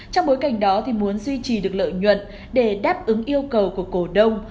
trong bối cảnh đó muốn duy trì được lợi nhuận để đáp ứng yêu cầu của cổ đông